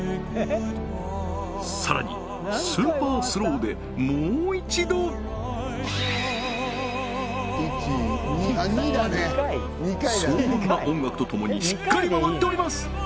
さらにスーパースローでもう一度荘厳な音楽とともにしっかり回っております！